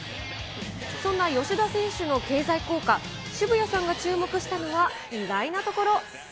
そんな吉田選手の経済効果、渋谷さんが注目したのは、意外なところ。